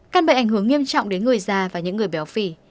căn bệnh ảnh hưởng nghiêm trọng đến người già và những người béo phì